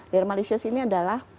dermalicious ini adalah